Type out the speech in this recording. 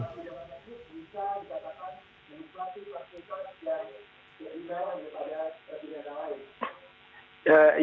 bisa dikatakan menikmati fasilitas yang lebih mewah daripada terpidana lain